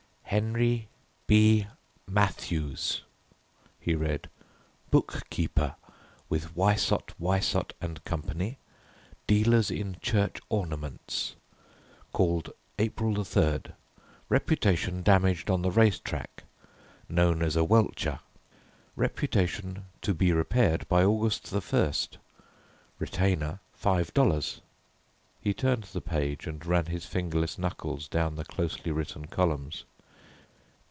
"Henry B. Matthews," he read, "book keeper with Whysot Whysot and Company, dealers in church ornaments. Called April 3rd. Reputation damaged on the race track. Known as a welcher. Reputation to be repaired by August 1st. Retainer Five Dollars." He turned the page and ran his fingerless knuckles down the closely written columns.